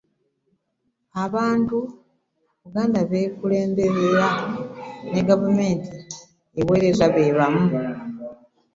Abantu Buganda b'ekulembera ne gavumenti b'eweereza be bamu